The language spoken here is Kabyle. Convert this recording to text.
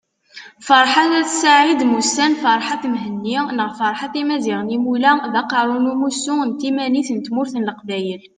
Ferḥat At Said mmusan Ferhat Mehenni neɣ Ferhat Imazighen Imula, d Aqerru n Umussu n Timanit n Tmurt n Leqbayel